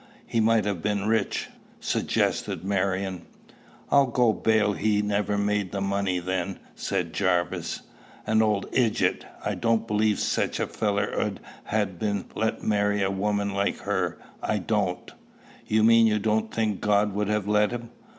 "He might have been rich," suggested Marion. "I'll go bail he never made the money then," said Jarvis. "An old idget! I don't believe sich a feller 'ud ha' been let marry a woman like her I don't." "You mean you don't think God would have let him?"